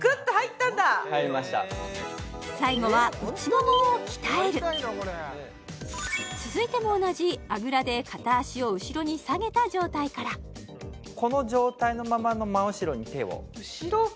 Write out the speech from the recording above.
最後は続いても同じあぐらで片足を後ろに下げた状態からこの状態のままの真後ろに手を後ろ？